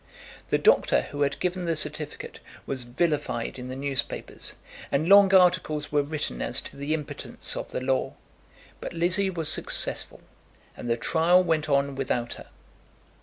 The doctor who had given the certificate was vilified in the newspapers, and long articles were written as to the impotence of the law. But Lizzie was successful, and the trial went on without her.